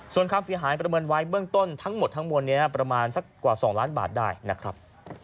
ส่วนความเสียหายประเมินไว้เบื้องต้นทั้งหมดทั้งมวลนี้ประมาณสักกว่า๒ล้านบาทได้นะครับ